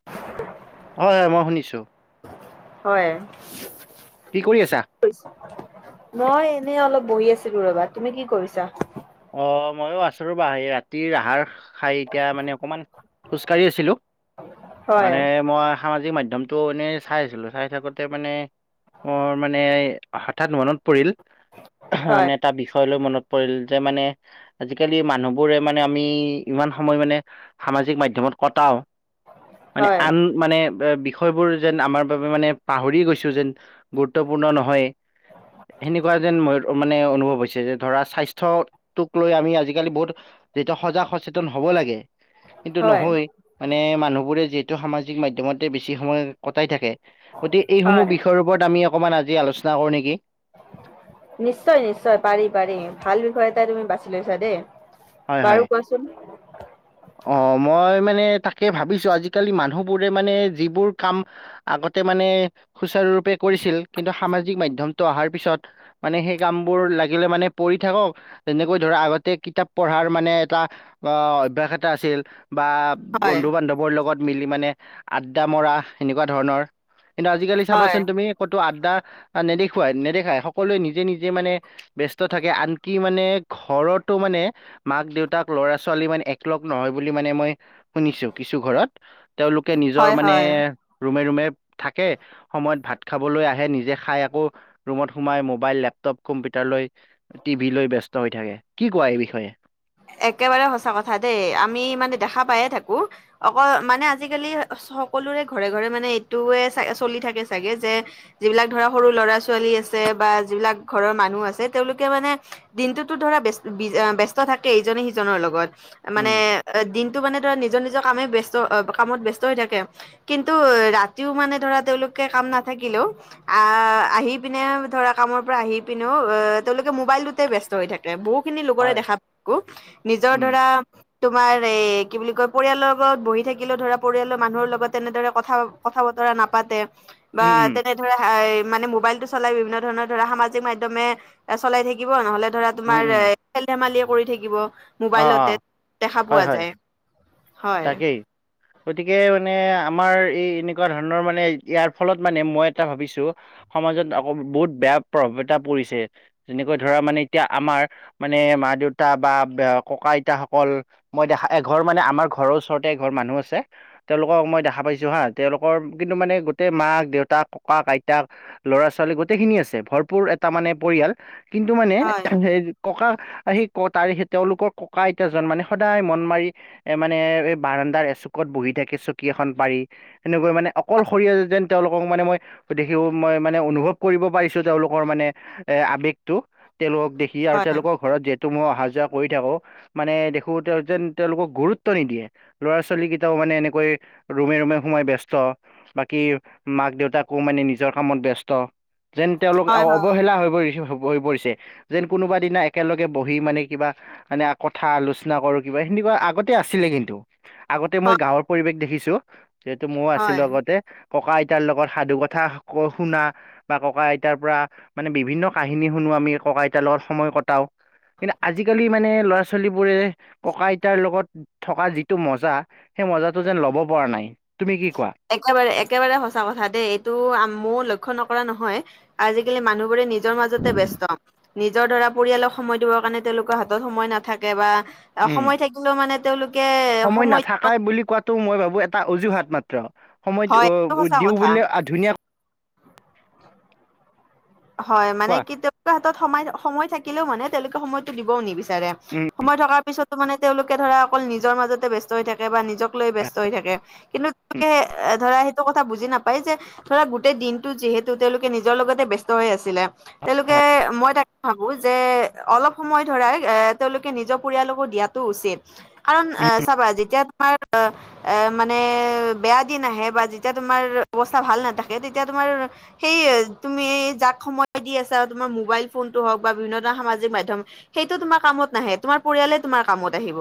[inaudible] হয় হয় মই শুনিছো। হয়। কি কৰি আছা কি কৰিছা মই এনে অলপ বহি আছিলো ৰবা তুমি কি কৰিছা অ মইয়ো আছো ৰ'বা এই ৰাতিৰ আহাৰ খাই এতিয়া মানে অকমান খোজকাঢ়ি আছিলোঁ হয়, মানে মই সামাজিক মাধ্যমটো এনেই চাই আছিলো চাই থাকোঁতে মানে। অ মানে হঠাৎ মনত পৰিল এহ হয়, মানে এটা বিষয় লৈ মনত পৰিল। যে মানে আজিকালি মানুহবোৰে মানে আমি ইমান সময় মানে সামাজিক মাধ্যমত কটাও। মানে হয়, আন মানে এ বিষয়বোৰ যেন আমাৰ বাবে মানে পাহৰি গৈছো যেন। গুৰুত্বপূৰ্ণ নহয় সেনেকুৱা যেন মই মানে অনুভৱ হৈছে যে ধৰা স্বাস্থ্য। স্বাস্থ্যটোক লৈ আমি আজিকালি বহুত যিটো সজাগ সচেতন হ'ব লাগে। কিন্তু হয়, নহয় মানে মানুহবোৰে যিহেতু সামাজিক মাধ্যমতে বেছি সময় কটাই থাকে গতিকে এইসমূহ হয়। বিষয়ৰ ওপৰত আমি অকণমান আজি আলোচনা কৰোঁ নেকি। নিশ্চয় নিশ্চয় পাৰি পাৰি ভাল বিষয় এটাই তুমি বাছি লৈছা দেই। হয় হয় বাৰু কোৱাচোন। অ মই মানে তাকে ভাবিছো আজিকালি মানুহবোৰে মানে যিবোৰ কাম। আগতে মানে সুচাৰুৰূপে কৰিছিল কিন্তু সামাজিক মাধ্যমটো অহাৰ পিছত মানে সেই কামবোৰ লাগিলে মানে পৰি থাকক। তেনেকৈ ধৰা আগতে কিতাপ পঢ়াৰ মানে এটা অ অভ্যাস এটা আছিল বা হয়, বন্ধু বান্ধৱৰ লগত মিলি মানে আড্ডা মৰা এনেকুৱা ধৰণৰ। কিন্তু আজিকালি হয়, চাবাচোন তুমি কতো আদ্ডা নেদেখুৱাই নেদেখায় সকলোৱে নিজে নিজে মানে ব্যস্ত থাকে আনকি মানে ঘৰতো মানে মাক দেউতাক ল'ৰা ছোৱালী মানে লগ নহয় বুলি মানে মই শুনিছো কিছু ঘৰত তেওঁলোকে নিজৰ হয়, মানে হয়। ৰুমে ৰুমে থাকে। সময়ত ভাত খাবলৈ আহে নিজে খাই আকৌ ৰুমত সোমাই মোবাইল লেপটপ কম্পিউটাৰ লৈ। টিভি লৈ ব্যস্ত হৈ থাকে কি কোৱা এই বিষয়ে একেবাৰে সঁচা কথা দেই, আমি মানে দেখা পায়ে থাকো। অকল মানে আজিকালি সকলোৰে ঘৰে ঘৰে মানে এইটোয়ে চলি থাকে চাগে যে- যিবিলাক ধৰা সৰু ল'ৰা ছোৱালী আছে বা যিবিলাক ঘৰৰ মানুহ আছে, তেওঁলোকে মানে- দিনটোতো ধৰা ব্যস্ত থাকে ইজনে সিজনৰ লগত, উম মানে- এ দিনটো মানে ধৰা নিজৰ নিজৰ কামে ব্যস্ত কামত ব্যস্ত হৈ থাকে। কিন্তু ৰাতিও মানে ধৰা তেওঁলোকে কাম নাথাকিলেও- আহ আহি পিনে ধৰা কামৰ পৰা আহি পিনেও আহ তেওঁলোকে মোবাইলটোতে ব্স্ত হৈ থাকে। এ বহু খিনি লোকৰে হয় দেখা পাইছো নিজৰ উম ধৰা- তোমাৰ এই কি বুলি কয় পৰিয়ালৰ লগত বহি থাকিলেও ধৰা পৰিয়ালৰ মানুহৰ লগত তেনেদৰে কথা- কথা বতৰা নাপাতে বা উম উম তেনে- ধৰা মানে মোবাইল টো চলাই বিভিন্ন ধৰণৰ ধৰা সামাজিক মাধ্যমে চলাই থাকিব, নহ'লে- ধৰা উম তোমাৰ উম এ খেল ধেমালিয়ে কৰি থাকিব। অ অ মোবাইলতেত দেখা হয় পোৱা হয় যায়, হয়। তাকেই গতিকে মানে আমাৰ এই এনেকুৱা ধৰণৰ মানে ইয়াৰ ফলত মানে মই এটা ভাবিছো- সমাজত আকৌ বহুত বেয়া প্ৰভাৱ এটা পৰিছে। যেনেকৈ ধৰা মানে এতিয়া আমাৰ মানে মা দেউতা বা- ককা আইতাসকল মই দেখা এঘৰ মানে আমাৰ ঘৰৰ ওচৰতে এঘৰ মানুহ আছে। তেওঁলোকক মই দেখা পাইছো হাঁ, তেওঁলোকৰ কিন্তু মানে গোটেই মাক, দেউতাক, ককাক, আইতাক- ল'ৰা ছোৱালী গোটেইখিনি আছে ভৰপূৰ এটা মানে পৰিয়াল। কিন্তু মানে হয় সেই ককা আহি ক তাৰে সি তেওঁলোকক- ককা আইতাজন মানে সদায় মন মাৰি- এ মানে এই বাৰান্দাৰ এচুকত বহি থাকে চকী এখন পাৰি। এনেকৈ মানে অকল সৰীয়া যেন তেওঁলোকক মানে মই- গতিকেও মই মানে অনুভৱ কৰিব পাৰিছো তেওঁলোকৰ মানে এ আৱেগটো। তেওঁলোকক দেখি, আৰু হয় তেওঁলোকৰ ঘৰত যিহেতু মই অহা যোৱা কৰি থাকো। মানে দেখো তেওঁ যেন তেওঁলোকক গুৰুত্ব নিদিয়ে। ল'ৰা ছোৱালী গিটাও মানে এনেকৈ ৰুমে ৰুমে সোমাই ব্যস্ত। বাকী মাক দেউতাকো মানে নিজৰ কামত ব্যস্ত। যেন তেওঁলোক হয় অঁ হয় অৱহেলা হৈ পৰিছে চব। বহি পৰিছে, যেন কোনোবা দিনা একেলগে বহি মানে কিবা মানে আ- কথা আলোচনা কৰো কিবা সেনেকুৱা আগতে আছিলে কিন্তু আগতে মই হয় গাঁৱৰ পৰিৱেশ দেখিছো। যিহেতু মও হয় আছিলো আগতে ককা আইতাৰ লগত সাধু কথা কৈ শুনা- বা ককা আইতাৰ পৰা মানে বিভিন্ন কাহিনী শুনো আমি ককা আইতাৰ লগত সময় কটাওঁ। কিন্তু আজিকালি মানে ল'ৰা ছোৱালী বোৰে ককা আইতাৰ লগত থকা যিটো মজা- সেই মজাটো যেন ল'ব পৰা নাই, তুমি কি কোৱা? একেবাৰে একেবাৰে সঁচা কথা দেই, এইটো মও লক্ষ্য নকৰা নহয়। আজিকালি মানুহবোৰে নিজ- নিজৰ মাজতে ব্যস্ত। নিজৰ দাৰা পৰিয়ালক সময় দিবৰ কাৰণে তেওঁলোকৰ হাতত সময় নাথাকে বা- অ উম সময় থাকিলেও মানে তেওঁলোক- সময় নাথাকাই বুলি কোৱাটো মই ভাবো এটা অজুহাত মাত্ৰ, সময় ধ হয় এইটো সঁচা দিওঁ কথা বুলিলে- ধুনীয়া- হয়, মানে কোৱা কি তেওঁলোকৰ হাতত সময় সময় থাকিলেও মানে তেওঁলোকে সময়তো দিবও নিবিচ- চাৰে, উম সময় থকাৰ পিছতো মানে তেওঁলোকে ধৰা অকল নিজৰ মাজতে ব্যস্ত হৈ থাকে বা নিজক- নিজক লৈ ব্যস্ত হৈ থাকে, কিন্তু- উম, তাকেহে, ধৰা সেইটো কথা বুজি নাপায় যে ধৰা গোটেই দিনটো যিহেতু তেওঁলোকে নিজৰ লগতে ব্য- দৈ আছিলে। তেওঁলোকে মই তা ভাবো যে, অলপ সময় ধৰাৰ এ তেওঁলোকে নিজৰ পৰিয়ালকো দিয়াত টো উচিত কাৰণ উম, আহ চাবা যেতিয়া তোমাৰ আহ। এ মানে বেয়া দিন আহে বা যেতিয়া তোমাৰ অৱস্থা ভাল নাথাকে। তেতিয়া তোমাৰ সেই তুমি যাক সম দি আছা, তোমাৰ মোবাইল ফোনটো হওঁক বা বিভিন্ন ধৰনৰ সামাজিক মাধ্যম। সেইটো তোমাৰ কামত নাহে। তোমাৰ পৰিয়ালে তোমাৰ কামত আহিব।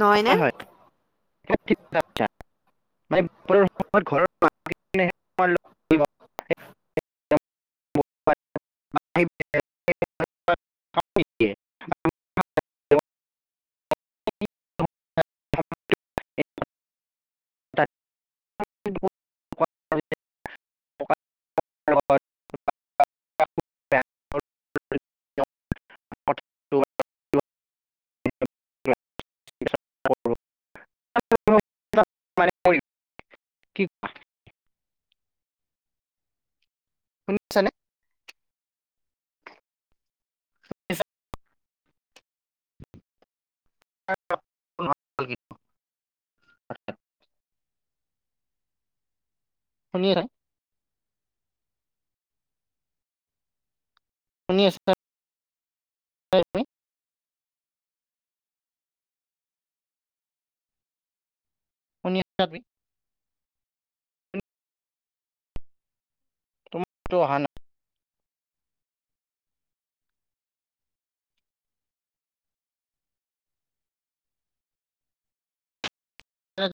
নহয় নে? হয় হয় [unintelligible] তোমাৰ লগত [inaudible] [unintelligible] দিয়ে। [unintelligible] [unintelligible] [unintelligible] শুনি নে? [unintelligible] [unintelligible] শুনি [unintelligible] শুনি [unintelligible] [unintelligible] অহা [unintelligible] নাই।